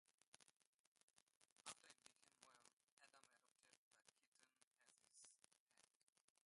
After it became well, Adam adopted the kitten as his pet.